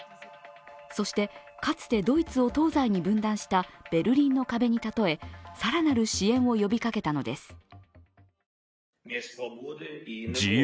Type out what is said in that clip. そして、かつてドイツを東西に分断したベルリンの壁に例え更なる支援を呼びかけたのです。